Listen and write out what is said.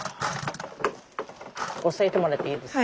押さえてもらっていいですか。